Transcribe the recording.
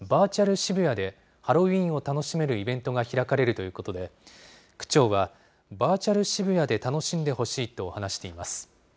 渋谷でハロウィーンを楽しめるイベントが開かれるということで、区長は、バーチャル渋谷で楽しんでほしいと話しています。